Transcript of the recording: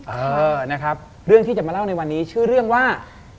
เออนะครับเรื่องที่จะมาเล่าในวันนี้ชื่อเรื่องว่า